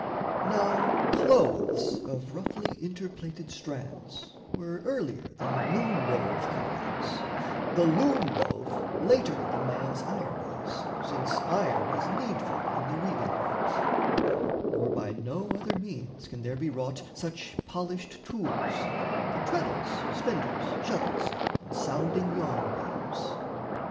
Now, clothes of roughly inter plaited strands Were earlier than loom wove coverings; The loom wove later than man's iron is, Since iron is needful in the weaving art, Nor by no other means can there be wrought Such polished tools the treadles, spindles, shuttles, And sounding yarn beams.